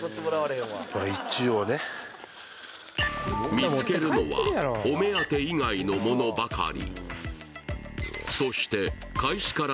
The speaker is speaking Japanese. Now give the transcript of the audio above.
見つけるのはお目当て以外のものばかり。